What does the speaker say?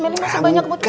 meli masih banyak kebutuhan